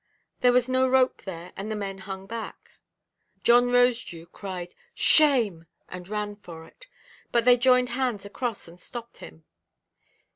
There was no rope there, and the men hung back; John Rosedew cried "Shame!" and ran for it; but they joined hands across and stopped him.